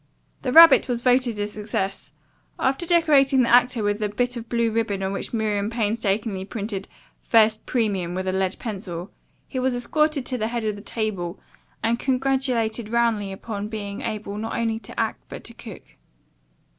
The rarebit was voted a success. After decorating the actor with a bit of blue ribbon on which Miriam painstakingly printed "first premium" with a lead pencil, he was escorted to the head of the table and congratulated roundly upon being able not only to act but to cook.